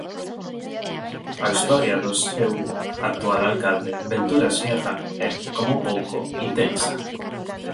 A historia do seu actual alcalde, Ventura Sierra é, como pouco, intensa.